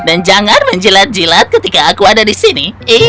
dan jangan menjilat jilat ketika aku ada di sini